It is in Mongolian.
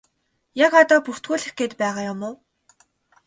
Яг одоо бүртгүүлэх гээд байгаа юм уу?